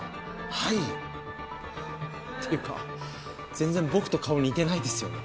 はぁっていうか全然僕と顔似てないですよね？